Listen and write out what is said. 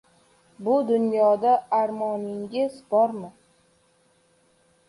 — Bu dunyoda armoningiz bormi?